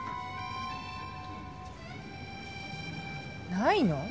ないの？